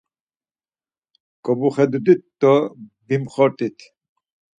Gobuxedut̆t̆it do bimxort̆it.